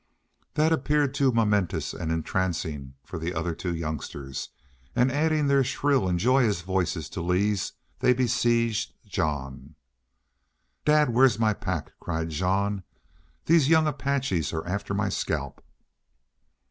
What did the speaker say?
That appeared too momentous and entrancing for the other two youngsters, and, adding their shrill and joyous voices to Lee's, they besieged Jean. "Dad, where's my pack?" cried Jean. "These young Apaches are after my scalp."